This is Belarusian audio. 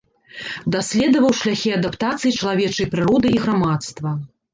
Даследаваў шляхі адаптацыі чалавечай прыроды і грамадства.